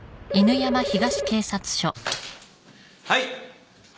☎はい。